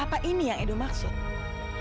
apa maksud edo yang udah dia dapatkan itu apa